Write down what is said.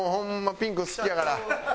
ピンク好きやから。